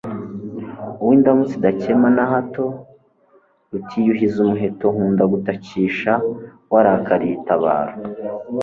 Uwo indamutsa idakema na hato, rutiyuhiza umuheto nkunda gutakisha, warakaliye itabaro,